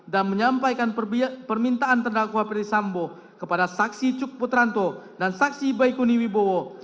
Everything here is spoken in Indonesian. dan menyampaikan permintaan tdakwa ferdisambo kepada saksi cuk putranto dan saksi baikuni wibowo